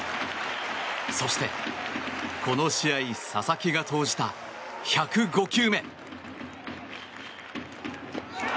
そしてこの試合、佐々木が投じた１０５球目。